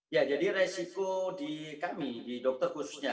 ya jadi resiko di kami di dokter khususnya